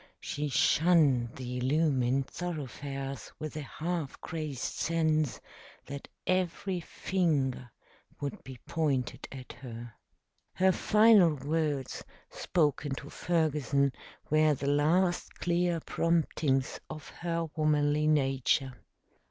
She shunned the illumined thoroughfares with a half crazed sense that every finger would be pointed at her. Her final words, spoken to Ferguson, were the last clear promptings of her womanly nature.